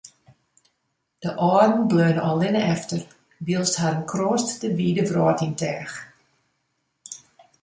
De âlden bleaune allinne efter, wylst harren kroast de wide wrâld yn teach.